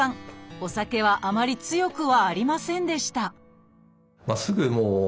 お酒はあまり強くはありませんでした